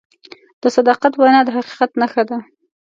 د صداقت وینا د حقیقت نښه ده.